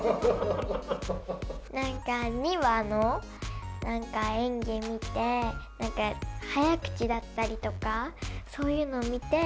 なんか、２話の演技を見て、なんか早口だったりとか、そういうのを見て。